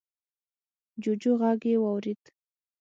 جوجو غږ يې واورېد.